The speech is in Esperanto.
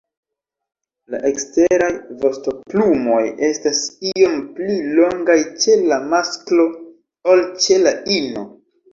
La eksteraj vostoplumoj estas iom pli longaj ĉe la masklo ol ĉe la ino.